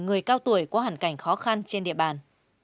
người cao tuổi qua hẳn cảnh khó khăn trên địa bàn